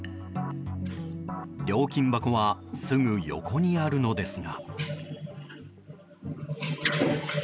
料金箱はすぐ横にあるのですが。